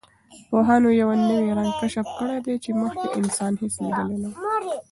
پوهانو یوه نوی رنګ کشف کړی دی چې مخکې انسان هېڅ لیدلی نه و.